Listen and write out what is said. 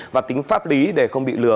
và tính pháp lý để không bị lừa